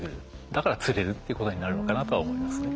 だから釣れるっていうことになるのかなとは思いますね。